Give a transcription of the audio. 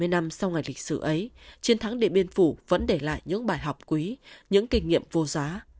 bảy mươi năm sau ngày lịch sử ấy chiến thắng điện biên phủ vẫn để lại những bài học quý những kinh nghiệm vô giá